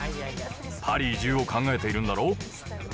パリ移住を考えているんだろ？